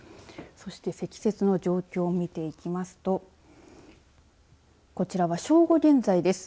そして積雪の状況を見ていきますとこちらは正午現在です。